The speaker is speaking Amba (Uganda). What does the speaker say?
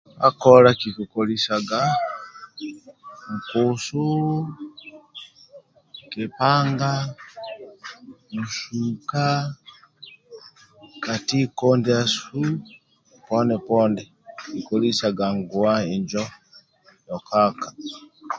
Ka kola kiki kolisaga nkusu kipanga nsuka katiko ndyasu poni poni kiki kolisaga nguwa injo yokaka